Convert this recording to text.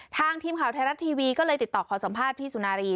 ทีมข่าวไทยรัฐทีวีก็เลยติดต่อขอสัมภาษณ์พี่สุนารี